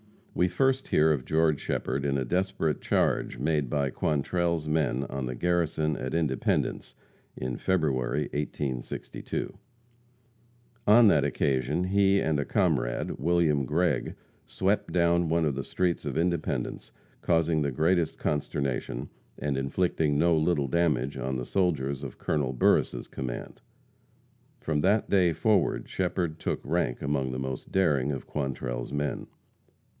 We first hear of George Shepherd in a desperate charge made by Quantrell's men on the garrison at Independence, in February, 1862. On that occasion he and a comrade, William Gregg, swept down one of the streets of Independence, causing the greatest consternation, and inflicting no little damage on the soldiers of Col. Burris' command. From that day forward Shepherd took rank among the most daring of Quantrell's men.